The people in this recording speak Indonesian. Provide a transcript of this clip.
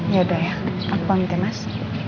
yaudah ya aku pamit ya mas